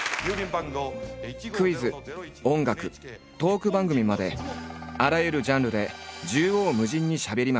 クイズ音楽トーク番組まであらゆるジャンルで縦横無尽にしゃべりまくった。